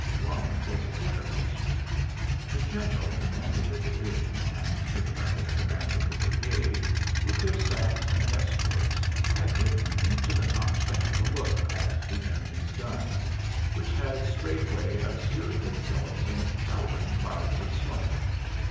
One was a quartermaster. The general commanding the division and the colonel commanding the brigade, with their staffs and escorts, had ridden into the notch to have a look at the enemy's guns which had straightway obscured themselves in towering clouds of smoke.